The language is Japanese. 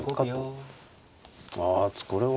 あこれは。